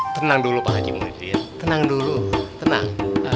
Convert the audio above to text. tenang dulu pak haji muhydin tenang dulu tenang